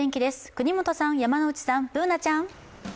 國本さん、山内さん、Ｂｏｏｎａちゃん。